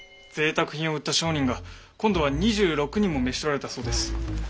ぜいたく品を売った商人が今度は２６人も召し捕られたそうです。